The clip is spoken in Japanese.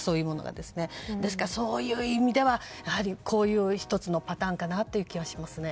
ですから、そういう意味ではこういう１つのパターンかなという気がしますね。